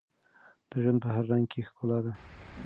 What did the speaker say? د ژوند په هر رنګ کې ښکلا ده.